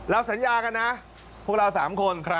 สัญญากันนะพวกเรา๓คน